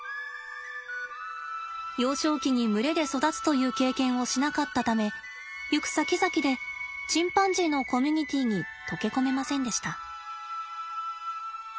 幼少期に群れで育つという経験をしなかったため行くさきざきでチンパンジーのコミュニティーに溶け込めませんでした。